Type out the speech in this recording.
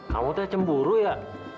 kamu tuh cemburu ya